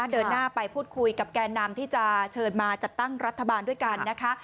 เดินหน้าไปพูดคุยกับแก่นำที่จะเชิญมาจัดตั้งรัฐบาลด้วยกันนะคะ